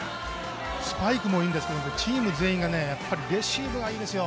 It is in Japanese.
スパイクもいいんですがチーム全員がレシーブがいいんですよ。